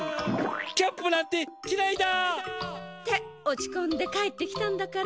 キャンプなんてきらいだ！って落ちこんで帰ってきたんだから。